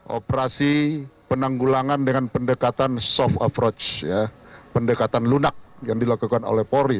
operasi penanggulangan dengan pendekatan soft approach pendekatan lunak yang dilakukan oleh polri